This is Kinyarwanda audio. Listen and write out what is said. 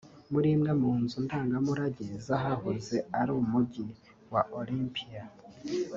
muri imwe mu nzu ndangamurage z’ahahoze ari Umujyi wa Olympia